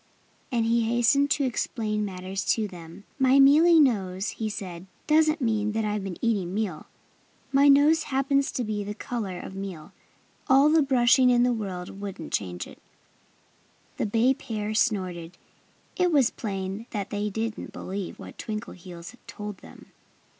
And he hastened to explain matters to them. "My mealy nose," he said, "doesn't mean that I've been eating meal. My nose happens to be the color of meal. All the brushing in the world wouldn't change it." The bay pair snorted. It was plain that they didn't believe what Twinkleheels told them.